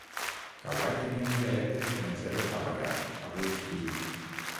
Kauai tenia un dialecte diferenciat del hawaià, avui extingit.